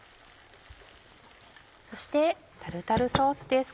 そしてタルタルソースです